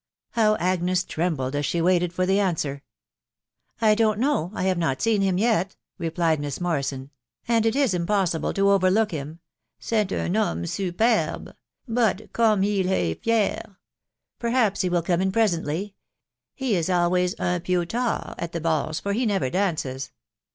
How Agnes trembled as she waited for the answer !" I don't know ..... I have not seen him yet," replied Miss Morrison, " and it is impossible to overlook him *««£ him urn eeuperb !.... but comb heel hay fear !..•• Perhaps he will come in presently : he is always ung pew tar at the balls, for he never dances."